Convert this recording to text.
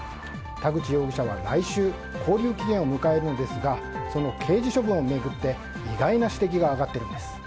田口容疑者は来週勾留期限を迎えるのですがその刑事処分を巡って意外な指摘が挙がっているんです。